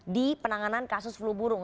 di penanganan kasus flu burung